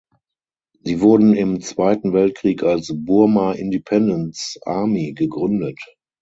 Sie wurden im Zweiten Weltkrieg als "Burma Independence Army" gegründet.